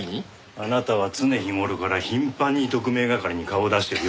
あなたは常日頃から頻繁に特命係に顔を出しているようですね。